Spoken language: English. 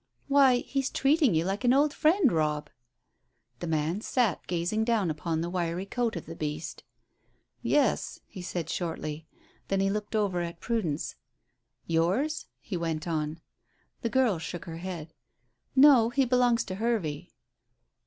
"Why, he's treating you like an old friend, Robb." The man sat gazing down upon the wiry coat of the beast. "Yes," he said shortly. Then he looked over at Prudence. "Yours?" he went on. The girl shook her head. "No, he belongs to Hervey."